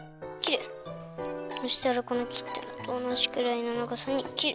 そしたらこのきったのとおなじくらいのながさにきる。